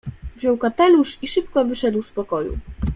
"Wziął kapelusz i szybko wyszedł z pokoju."